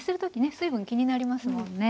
水分気になりますもんね。